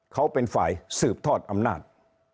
เขาเป็นฝ่ายสืบทอดอำนาจ